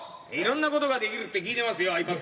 いろんなことができるって聞いてますよ「ｉＰａｄ」は。